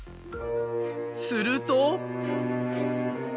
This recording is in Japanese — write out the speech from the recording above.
すると。